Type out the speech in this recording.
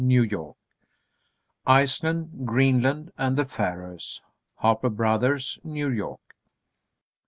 New York._ "Iceland, Greenland, and the Faroes." _Harper Bros., New York.